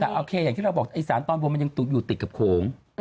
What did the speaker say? แต่โอเคอย่างที่เราบอกไอ้สารตอนบนมันยังอยู่ติดกับโขง